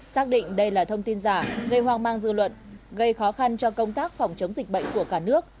xác định đây là thông tin giả gây hoang mang dư luận gây khó khăn cho công tác phòng chống dịch bệnh của cả nước